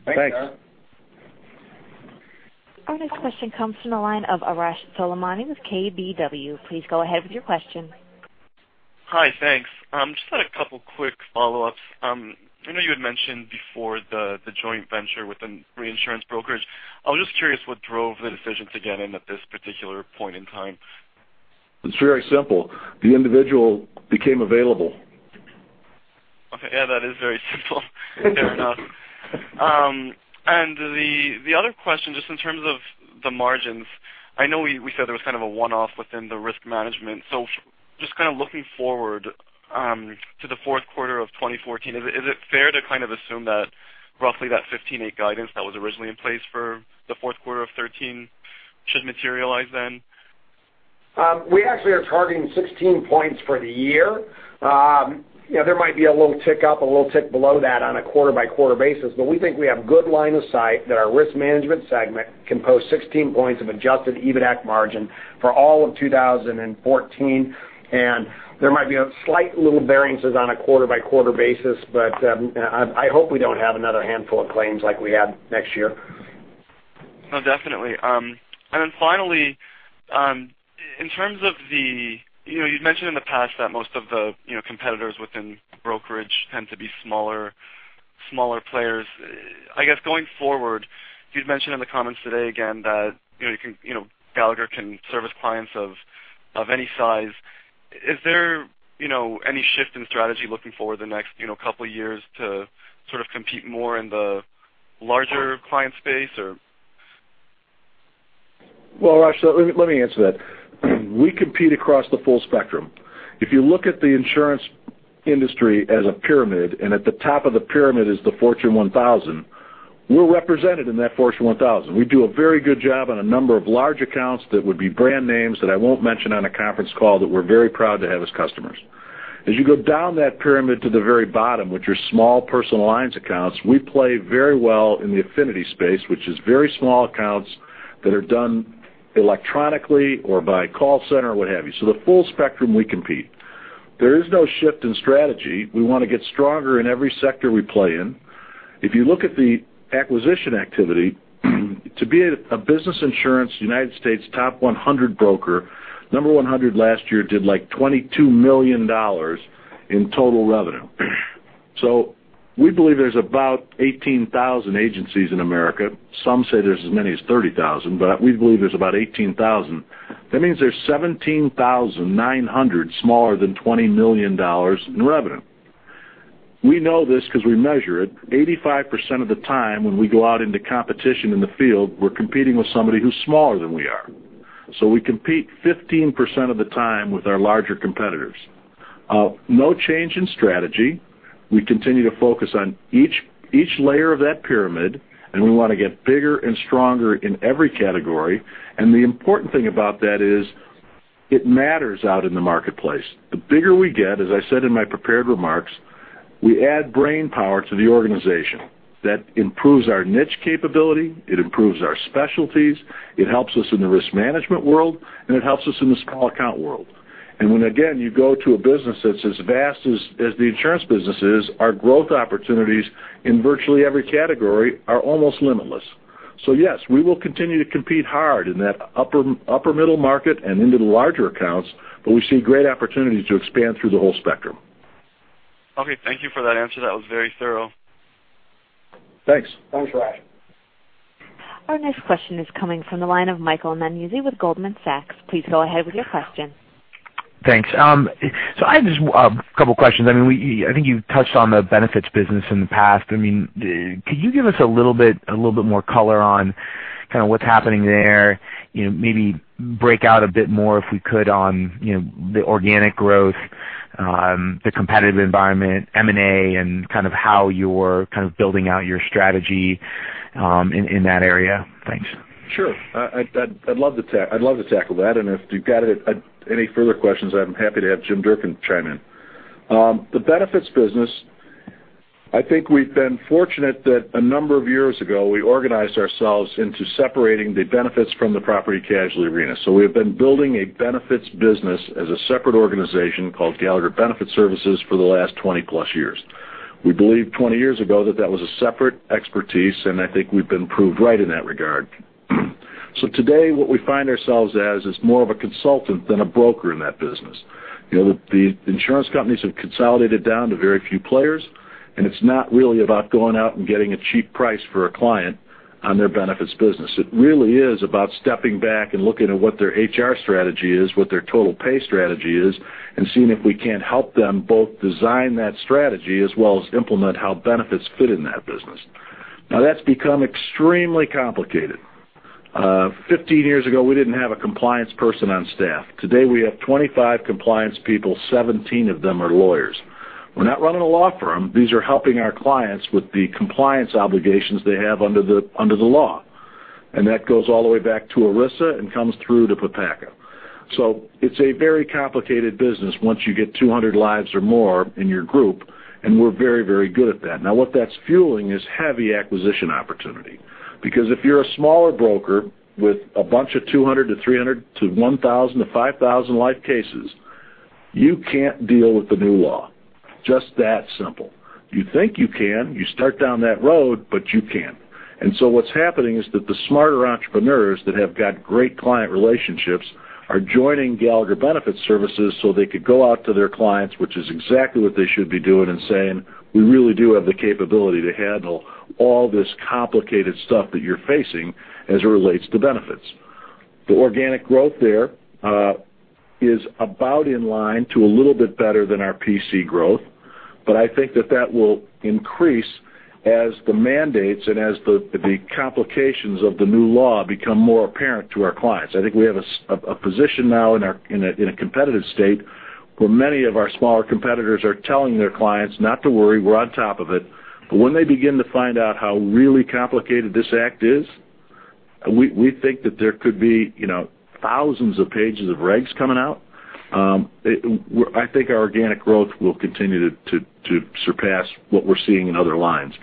Thanks. Thanks, Sarah. Our next question comes from the line of Arash Soleimani with KBW. Please go ahead with your question. Hi, thanks. Just had a couple quick follow-ups. I know you had mentioned before the joint venture with the reinsurance brokerage. I was just curious what drove the decisions again and at this particular point in time. It's very simple. The individual became available. Okay. Yeah, that is very simple. Fair enough. The other question, just in terms of the margins, I know we said there was kind of a one-off within the risk management. Just kind of looking forward to the fourth quarter of 2014, is it fair to kind of assume that roughly that 15.8 guidance that was originally in place for the fourth quarter of 2013 should materialize then? We actually are targeting 16 points for the year. There might be a little tick up, a little tick below that on a quarter-by-quarter basis, we think we have good line of sight that our risk management segment can post 16 points of adjusted EBITAC margin for all of 2014, there might be a slight little variances on a quarter-by-quarter basis, I hope we don't have another handful of claims like we had next year. No, definitely. Finally, you'd mentioned in the past that most of the competitors within brokerage tend to be smaller players. I guess, going forward, you'd mentioned in the comments today again that Gallagher can service clients of any size. Is there any shift in strategy looking forward the next couple of years to sort of compete more in the larger client space, or? Well, Arash, let me answer that. We compete across the full spectrum. If you look at the insurance industry as a pyramid, at the top of the pyramid is the Fortune 1000. We're represented in that Fortune 1000. We do a very good job on a number of large accounts that would be brand names that I won't mention on a conference call that we're very proud to have as customers. As you go down that pyramid to the very bottom, which are small personal lines accounts, we play very well in the affinity space, which is very small accounts that are done electronically or by call center, what have you. The full spectrum we compete. There is no shift in strategy. We want to get stronger in every sector we play in. If you look at the acquisition activity, to be a Business Insurance U.S. top 100 broker, number 100 last year did $22 million in total revenue. We believe there's about 18,000 agencies in America. Some say there's as many as 30,000, we believe there's about 18,000. That means there's 17,900 smaller than $20 million in revenue. We know this because we measure it. 85% of the time when we go out into competition in the field, we're competing with somebody who's smaller than we are. We compete 15% of the time with our larger competitors. No change in strategy. We continue to focus on each layer of that pyramid, we want to get bigger and stronger in every category. The important thing about that is it matters out in the marketplace. The bigger we get, as I said in my prepared remarks, we add brain power to the organization. That improves our niche capability, it improves our specialties, it helps us in the risk management world, it helps us in the small account world. When, again, you go to a business that's as vast as the insurance business is, our growth opportunities in virtually every category are almost limitless. Yes, we will continue to compete hard in that upper middle market and into the larger accounts, we see great opportunities to expand through the whole spectrum. Okay. Thank you for that answer. That was very thorough. Thanks. Thanks, Arash. Our next question is coming from the line of Michael Nannizzi with Goldman Sachs. Please go ahead with your question. Thanks. I have just a couple questions. I think you've touched on the benefits business in the past. Could you give us a little bit more color on what's happening there? Maybe break out a bit more, if we could, on the organic growth, the competitive environment, M&A, and how you're building out your strategy in that area. Thanks. Sure. I'd love to tackle that, and if you've got any further questions, I'm happy to have Jim Durkin chime in. The benefits business, I think we've been fortunate that a number of years ago, we organized ourselves into separating the benefits from the property casualty arena. We have been building a benefits business as a separate organization called Gallagher Benefit Services for the last 20+ years. We believed 20 years ago that that was a separate expertise, and I think we've been proved right in that regard. Today, what we find ourselves as is more of a consultant than a broker in that business. The insurance companies have consolidated down to very few players, and it's not really about going out and getting a cheap price for a client on their benefits business. It really is about stepping back and looking at what their HR strategy is, what their total pay strategy is, and seeing if we can't help them both design that strategy as well as implement how benefits fit in that business. Now, that's become extremely complicated. 15 years ago, we didn't have a compliance person on staff. Today, we have 25 compliance people, 17 of them are lawyers. We're not running a law firm. These are helping our clients with the compliance obligations they have under the law. That goes all the way back to ERISA and comes through to PPACA. It's a very complicated business once you get 200 lives or more in your group, and we're very good at that. Now, what that's fueling is heavy acquisition opportunity. If you're a smaller broker with a bunch of 200-300 to 1,000-5,000 life cases, you can't deal with the new law. Just that simple. You think you can, you start down that road, you can't. What's happening is that the smarter entrepreneurs that have got great client relationships are joining Gallagher Benefit Services so they could go out to their clients, which is exactly what they should be doing and saying, "We really do have the capability to handle all this complicated stuff that you're facing as it relates to benefits." The organic growth there is about in line to a little bit better than our PC growth, I think that that will increase as the mandates and as the complications of the new law become more apparent to our clients. I think we have a position now in a competitive state where many of our smaller competitors are telling their clients not to worry, we're on top of it. When they begin to find out how really complicated this act is, we think that there could be thousands of pages of regs coming out. I think our organic growth will continue to surpass what we're seeing in other lines.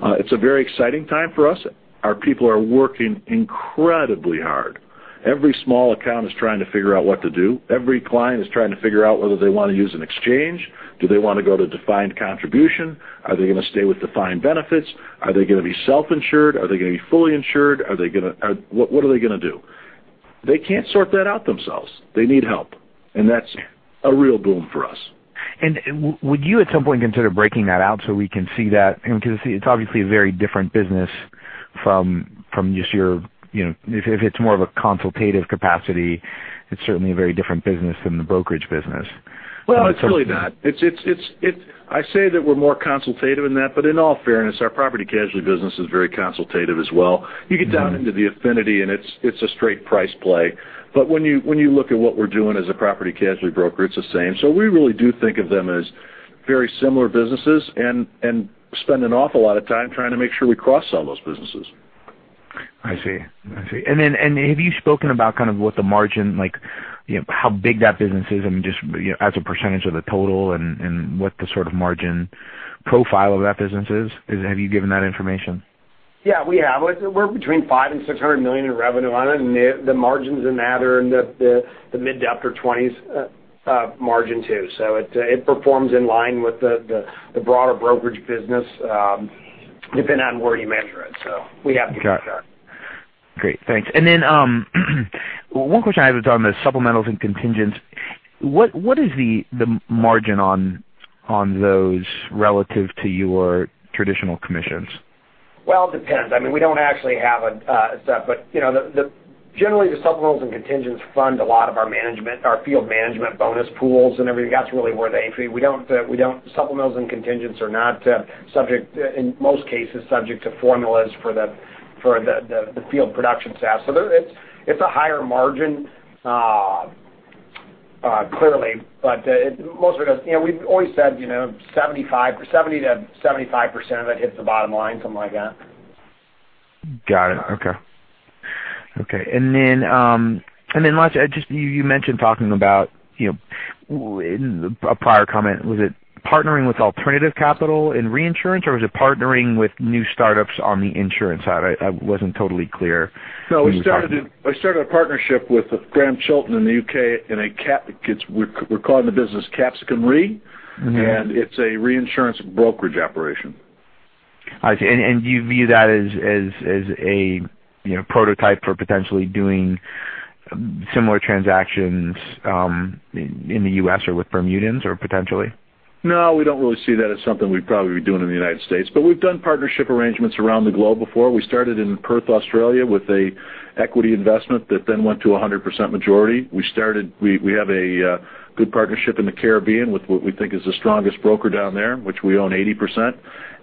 It's a very exciting time for us. Our people are working incredibly hard. Every small account is trying to figure out what to do. Every client is trying to figure out whether they want to use an exchange. Do they want to go to defined contribution? Are they going to stay with defined benefits? Are they going to be self-insured? Are they going to be fully insured? What are they going to do? They can't sort that out themselves. They need help, that's a real boom for us. Would you at some point consider breaking that out so we can see that? It's obviously a very different business from just if it's more of a consultative capacity, it's certainly a very different business from the brokerage business. Well, it's really not. I say that we're more consultative in that, but in all fairness, our property casualty business is very consultative as well. You get down into the affinity, and it's a straight price play. When you look at what we're doing as a property casualty broker, it's the same. We really do think of them as very similar businesses and spend an awful lot of time trying to make sure we cross-sell those businesses. I see. Have you spoken about kind of what the margin, how big that business is and just as a percentage of the total and what the sort of margin profile of that business is? Have you given that information? Yeah, we have. We're between $500 million and $600 million in revenue on it, and the margins in that are in the mid-20s% to upper 20s%, margin too. It performs in line with the broader brokerage business, depending on where you measure it. We have given that. Got it. Great. Thanks. One question I have is on the supplementals and contingents. What is the margin on those relative to your traditional commissions? Well, it depends. I mean, we don't actually have. Generally, the supplementals and contingents fund a lot of our field management bonus pools and everything. That's really where they. Supplementals and contingents are not, in most cases, subject to formulas for the field production staff. It's a higher margin, clearly, but most of it goes. We've always said 70%-75% of it hits the bottom line, something like that. Got it. Okay. Last, you mentioned talking about, in a prior comment, was it partnering with alternative capital in reinsurance, or was it partnering with new startups on the insurance side? I wasn't totally clear. No, we started a partnership with Grahame Chilton in the U.K., we're calling the business Capsicum Re, and it's a reinsurance brokerage operation. I see. Do you view that as a prototype for potentially doing similar transactions in the U.S. or with Bermudians, or potentially? No, we don't really see that as something we'd probably be doing in the United States, but we've done partnership arrangements around the globe before. We started in Perth, Australia, with an equity investment that then went to 100% majority. We have a good partnership in the Caribbean with who we think is the strongest broker down there, which we own 80%.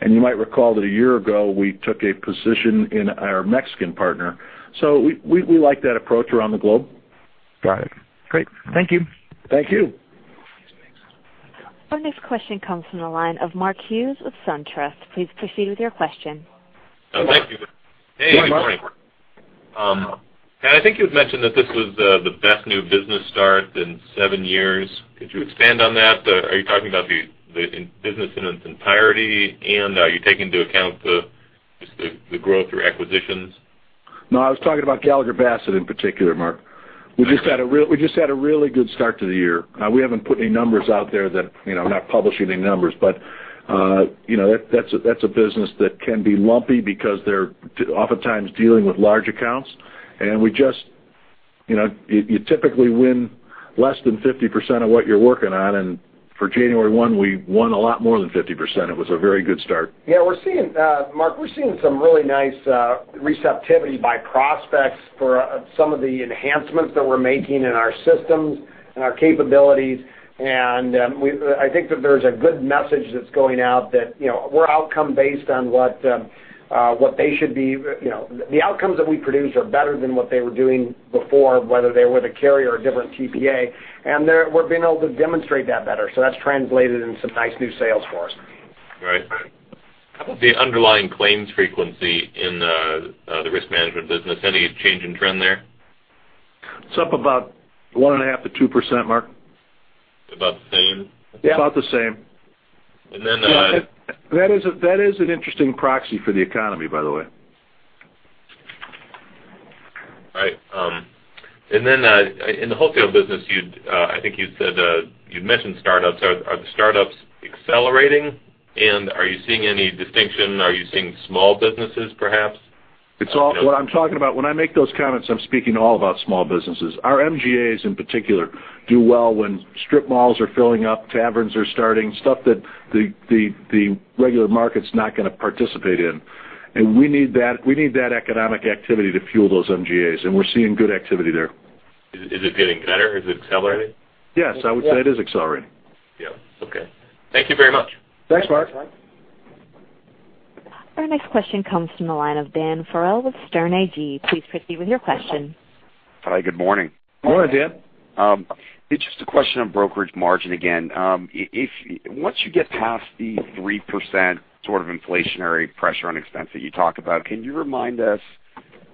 You might recall that a year ago, we took a position in our Mexican partner. We like that approach around the globe. Got it. Great. Thank you. Thank you. Our next question comes from the line of Mark Hughes of SunTrust. Please proceed with your question. Thank you. Good morning, Mark. Hey, good morning. I think you had mentioned that this was the best new business start in seven years. Could you expand on that? Are you talking about the business in its entirety, and are you taking into account just the growth through acquisitions? No, I was talking about Gallagher Bassett in particular, Mark. We just had a really good start to the year. We haven't put any numbers out there, we're not publishing any numbers, but that's a business that can be lumpy because they're oftentimes dealing with large accounts. You typically win less than 50% of what you're working on. For January one, we won a lot more than 50%. It was a very good start. Mark, we're seeing some really nice receptivity by prospects for some of the enhancements that we're making in our systems and our capabilities. I think that there's a good message that's going out that we're outcome based on what they should be. The outcomes that we produce are better than what they were doing before, whether they were the carrier or a different TPA. We're being able to demonstrate that better. That's translated into some nice new sales for us. Right. How about the underlying claims frequency in the risk management business? Any change in trend there? It's up about 1.5%-2%, Mark. About the same? Yeah. About the same. And then- That is an interesting proxy for the economy, by the way. Right. In the wholesale business, I think you mentioned startups. Are the startups accelerating, and are you seeing any distinction? Are you seeing small businesses perhaps? When I make those comments, I'm speaking all about small businesses. Our MGAs in particular do well when strip malls are filling up, taverns are starting, stuff that the regular market's not going to participate in. We need that economic activity to fuel those MGAs, and we're seeing good activity there. Is it getting better? Is it accelerating? Yes, I would say it is accelerating. Yeah. Okay. Thank you very much. Thanks, Mark. Thanks, Mark. Our next question comes from the line of Dan Farrell with Sterne Agee. Please proceed with your question. Hi, good morning. Good morning, Dan. It's just a question on brokerage margin again. Once you get past the 3% sort of inflationary pressure on expense that you talk about, can you remind us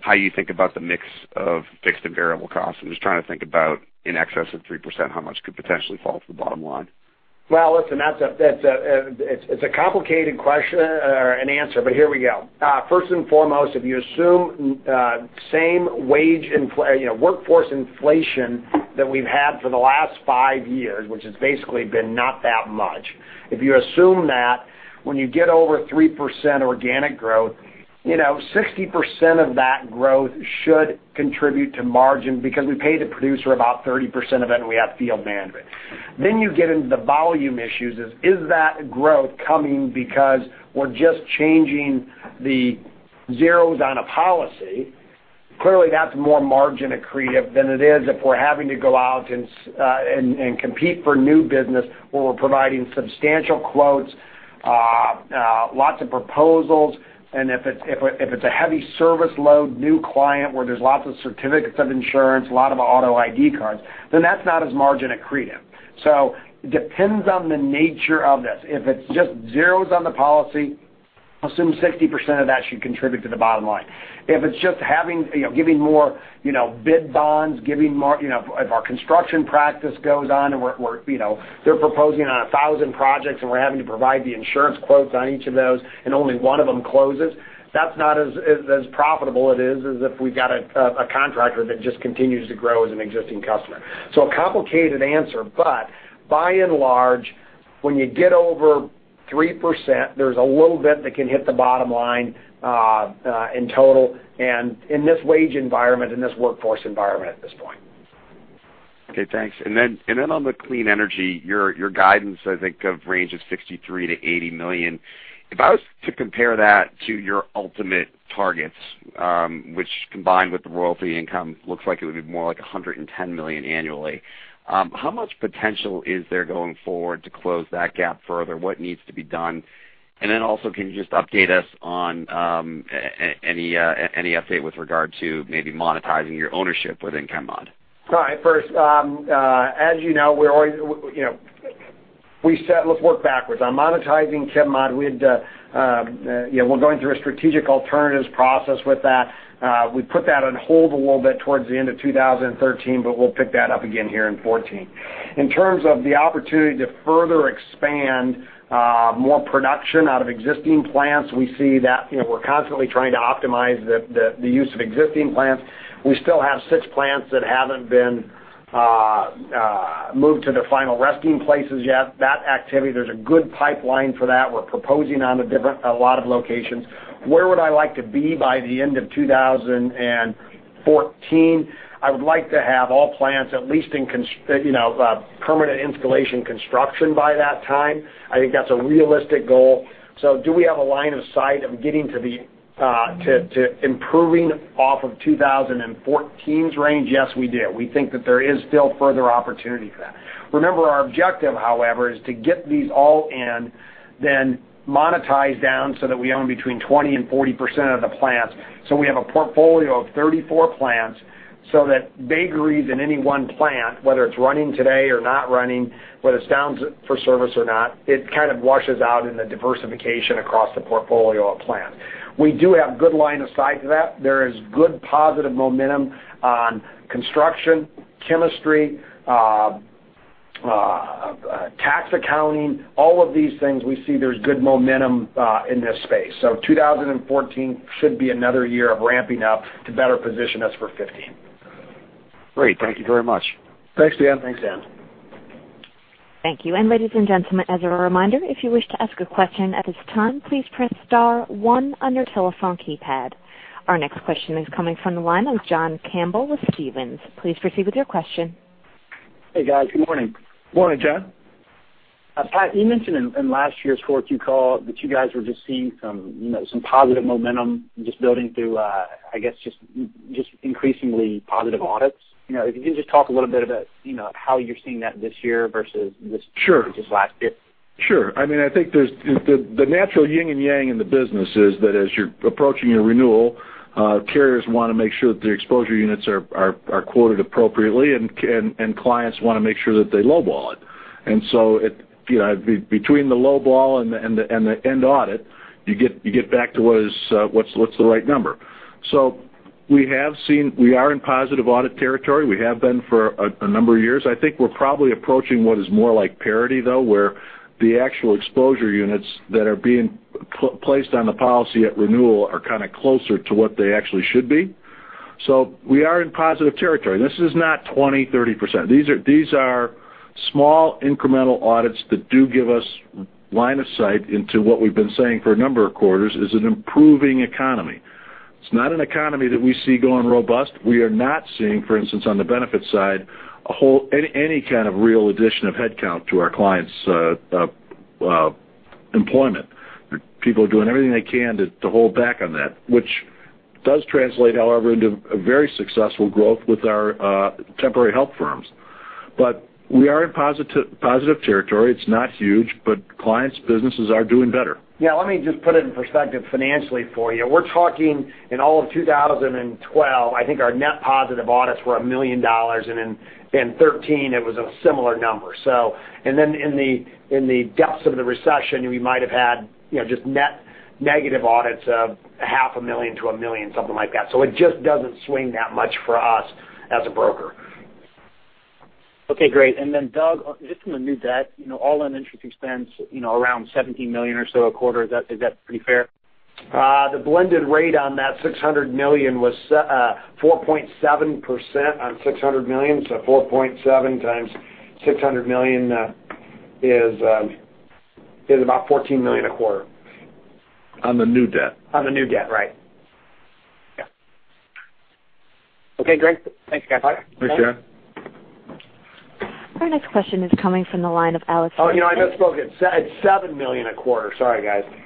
how you think about the mix of fixed and variable costs? I'm just trying to think about in excess of 3%, how much could potentially fall to the bottom line. Well, listen, it's a complicated question or an answer, but here we go. First and foremost, if you assume workforce inflation that we've had for the last five years, which has basically been not that much. If you assume that when you get over 3% organic growth, 60% of that growth should contribute to margin because we pay the producer about 30% of it, and we have field management. You get into the volume issues. Is that growth coming because we're just changing the zeros on a policy? Clearly, that's more margin accretive than it is if we're having to go out and compete for new business where we're providing substantial quotes lots of proposals, and if it's a heavy service load, new client where there's lots of certificates of insurance, a lot of auto ID cards, then that's not as margin accretive. It depends on the nature of this. If it's just zeros on the policy, assume 60% of that should contribute to the bottom line. If it's just giving more bid bonds. If our construction practice goes on, and they're proposing on 1,000 projects, and we're having to provide the insurance quotes on each of those, and only one of them closes, that's not as profitable as it is if we got a contractor that just continues to grow as an existing customer. A complicated answer, but by and large, when you get over 3%, there's a little bit that can hit the bottom line in total, and in this wage environment, in this workforce environment at this point. Okay, thanks. On the clean energy, your guidance, I think of range of $63 million-$80 million. If I was to compare that to your ultimate targets, which combined with the royalty income, looks like it would be more like $110 million annually. How much potential is there going forward to close that gap further? What needs to be done? Also, can you just update us on any update with regard to maybe monetizing your ownership within ChemMod? All right. First, let's work backwards. On monetizing ChemMod, we're going through a strategic alternatives process with that. We put that on hold a little bit towards the end of 2013, we'll pick that up again here in 2014. In terms of the opportunity to further expand more production out of existing plants, we're constantly trying to optimize the use of existing plants. We still have six plants that haven't been moved to their final resting places yet. That activity, there's a good pipeline for that. We're proposing on a lot of locations. Where would I like to be by the end of 2014? I would like to have all plants at least in permanent installation construction by that time. I think that's a realistic goal. Do we have a line of sight of improving off of 2014's range? Yes, we do. We think that there is still further opportunity for that. Remember, our objective, however, is to get these all in, then monetize down so that we own between 20% and 40% of the plants. We have a portfolio of 34 plants, so that vagaries in any one plant, whether it's running today or not running, whether it's down for service or not, it kind of washes out in the diversification across the portfolio of plants. We do have good line of sight to that. There is good positive momentum on construction, chemistry, tax accounting, all of these things, we see there's good momentum in this space. 2014 should be another year of ramping up to better position us for 2015. Great. Thank you very much. Thanks, Dan. Thank you. Ladies and gentlemen, as a reminder, if you wish to ask a question at this time, please press star one on your telephone keypad. Our next question is coming from the line of John Campbell with Stephens. Please proceed with your question. Hey, guys. Good morning. Morning, John. Pat, you mentioned in last year's 4Q call that you guys were just seeing some positive momentum just building through, I guess, just increasingly positive audits. If you can just talk a little bit about how you're seeing that this year versus just last year. Sure. I think the natural yin and yang in the business is that as you're approaching a renewal, carriers want to make sure that their exposure units are quoted appropriately, and clients want to make sure that they lowball it. Between the lowball and the end audit, you get back to what's the right number. We are in positive audit territory. We have been for a number of years. I think we're probably approaching what is more like parity, though, where the actual exposure units that are being placed on the policy at renewal are kind of closer to what they actually should be. We are in positive territory, this is not 20%-30%. These are small incremental audits that do give us line of sight into what we've been saying for a number of quarters, is an improving economy. It's not an economy that we see going robust. We are not seeing, for instance, on the benefits side, any kind of real addition of headcount to our clients' employment. People are doing everything they can to hold back on that, which does translate, however, into a very successful growth with our temporary health firms. We are in positive territory. It's not huge, but clients' businesses are doing better. Yeah, let me just put it in perspective financially for you. We're talking in all of 2012, I think our net positive audits were $1 million, and in 2013, it was a similar number. In the depths of the recession, we might have had just net negative audits of half a million dollars to $1 million, something like that. It just doesn't swing that much for us as a broker. Okay, great. Then Doug, just on the new debt, all in interest expense, around $17 million or so a quarter. Is that pretty fair? The blended rate on that $600 million was 4.7% on $600 million. 4.7 times $600 million is about $14 million a quarter. On the new debt. On the new debt, right. Yeah. Okay, great. Thanks, guys. Thanks, John. Our next question is coming from the line of Alex- Oh, I misspoke. It's $7 million a quarter. Sorry, guys. Okay.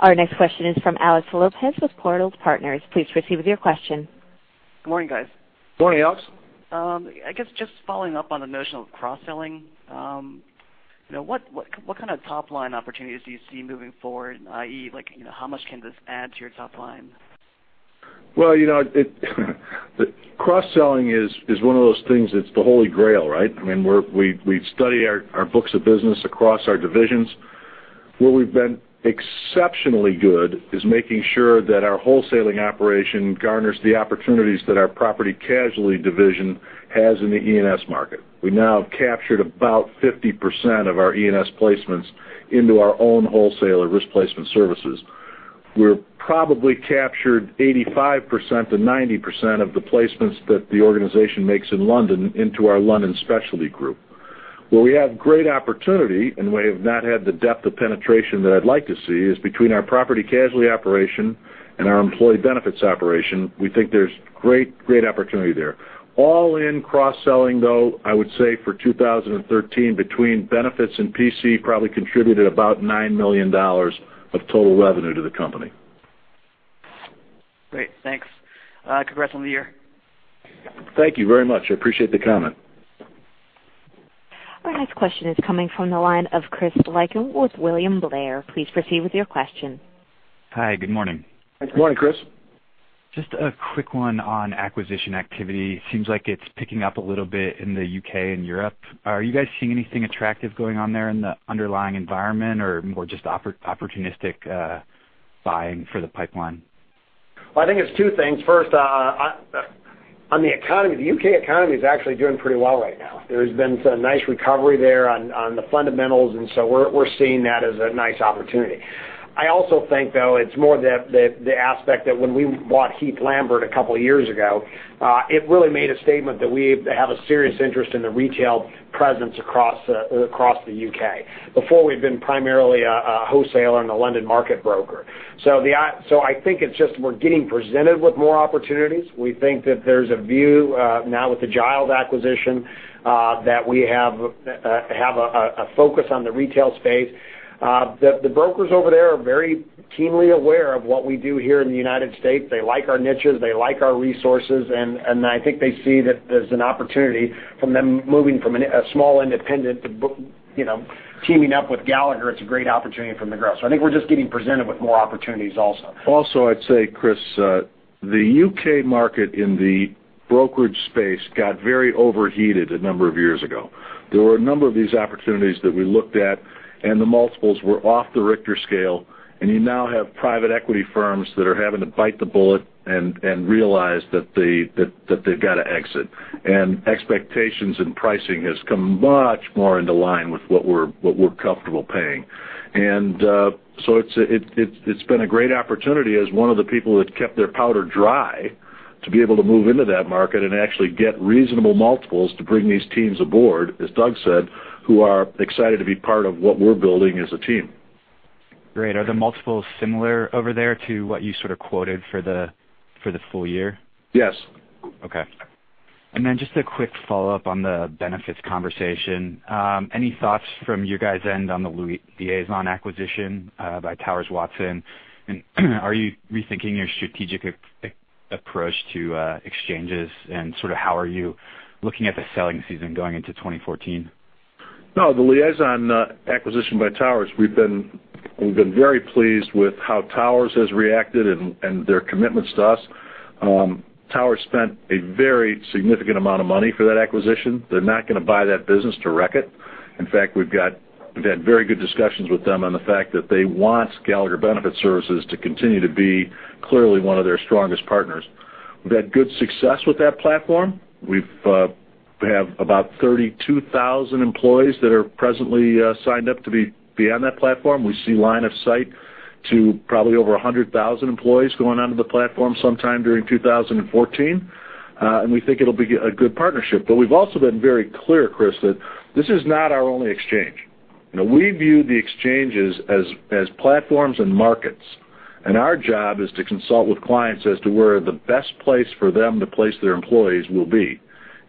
Our next question is from Alex Lopez with Portales Partners. Please proceed with your question. Good morning, guys. Good morning, Alex. I guess just following up on the notion of cross-selling. What kind of top-line opportunities do you see moving forward, i.e., how much can this add to your top line? Well, cross-selling is one of those things that's the Holy Grail, right? We've studied our books of business across our divisions. Where we've been exceptionally good is making sure that our wholesaling operation garners the opportunities that our property casualty division has in the E&S market. We now have captured about 50% of our E&S placements into our own wholesaler Risk Placement Services. We've probably captured 85%-90% of the placements that the organization makes in London into our London Specialty Group. Where we have great opportunity, and we have not had the depth of penetration that I'd like to see, is between our property casualty operation and our employee benefits operation. We think there's great opportunity there. All in cross-selling, though, I would say for 2013, between benefits and PC, probably contributed about $9 million of total revenue to the company. Great, thanks. Congrats on the year. Thank you very much. I appreciate the comment. Our next question is coming from the line of Christopher Layden with William Blair. Please proceed with your question. Hi, good morning. Good morning, Chris. Just a quick one on acquisition activity. Seems like it's picking up a little bit in the U.K. and Europe. Are you guys seeing anything attractive going on there in the underlying environment or more just opportunistic buying for the pipeline? Well, I think it's two things. First, on the economy, the U.K. economy is actually doing pretty well right now. There's been some nice recovery there on the fundamentals. We're seeing that as a nice opportunity. I also think, though, it's more the aspect that when we bought Heath Lambert a couple of years ago, it really made a statement that we have a serious interest in the retail presence across the U.K. Before, we've been primarily a wholesaler and a London market broker. I think it's just we're getting presented with more opportunities. We think that there's a view now with the Giles acquisition, that we have a focus on the retail space. The brokers over there are very keenly aware of what we do here in the U.S. They like our niches, they like our resources. I think they see that there's an opportunity from them moving from a small independent to teaming up with Gallagher. It's a great opportunity from the ground. I think we're just getting presented with more opportunities also. Also, I'd say, Chris, the U.K. market in the brokerage space got very overheated a number of years ago. There were a number of these opportunities that we looked at. The multiples were off the Richter scale. You now have private equity firms that are having to bite the bullet and realize that they've got to exit. Expectations and pricing has come much more into line with what we're comfortable paying. It's been a great opportunity as one of the people that kept their powder dry to be able to move into that market and actually get reasonable multiples to bring these teams aboard, as Doug said, who are excited to be part of what we're building as a team. Great. Are the multiples similar over there to what you sort of quoted for the full year? Yes. Okay. Just a quick follow-up on the benefits conversation. Any thoughts from your guys end on the Liazon acquisition by Towers Watson? Are you rethinking your strategic approach to exchanges and sort of how are you looking at the selling season going into 2014? No, the Liazon acquisition by Towers, we've been very pleased with how Towers has reacted and their commitment to us. Towers spent a very significant amount of money for that acquisition. They're not going to buy that business to wreck it. In fact, we've had very good discussions with them on the fact that they want Gallagher Benefit Services to continue to be clearly one of their strongest partners. We've had good success with that platform. We have about 32,000 employees that are presently signed up to be on that platform. We see line of sight to probably over 100,000 employees going onto the platform sometime during 2014. We think it'll be a good partnership. We've also been very clear, Chris, that this is not our only exchange. We view the exchanges as platforms and markets, our job is to consult with clients as to where the best place for them to place their employees will be.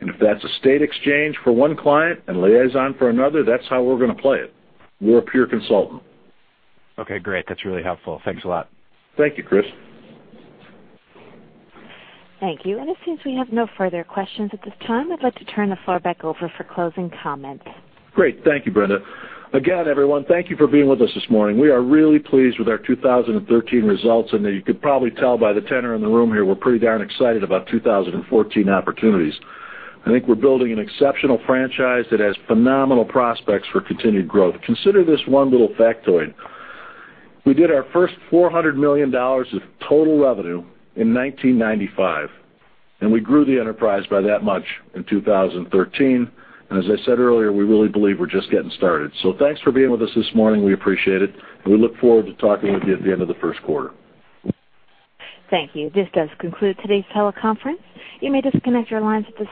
If that's a state exchange for one client and Liazon for another, that's how we're going to play it. We're a pure consultant. Okay, great. That's really helpful. Thanks a lot. Thank you, Chris. Thank you. It seems we have no further questions at this time. I'd like to turn the floor back over for closing comments. Great. Thank you, Brenda. Again, everyone, thank you for being with us this morning. We are really pleased with our 2013 results, and you could probably tell by the tenor in the room here, we're pretty darn excited about 2014 opportunities. I think we're building an exceptional franchise that has phenomenal prospects for continued growth. Consider this one little factoid. We did our first $400 million of total revenue in 1995, and we grew the enterprise by that much in 2013. As I said earlier, we really believe we're just getting started. Thanks for being with us this morning. We appreciate it, and we look forward to talking with you at the end of the first quarter. Thank you. This does conclude today's teleconference. You may disconnect your lines at this time.